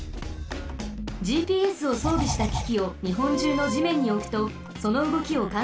ＧＰＳをそうびしたききをにほんじゅうのじめんにおくとそのうごきをかんさつできます。